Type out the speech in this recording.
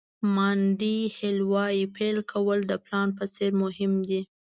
مانډي هیل وایي پیل کول د پلان په څېر مهم دي.